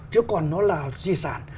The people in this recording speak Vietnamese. chứ còn nó là di sản